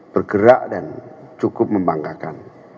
bergerak dan cukup membanggakan